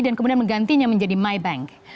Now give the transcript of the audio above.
dan kemudian menggantinya menjadi mybank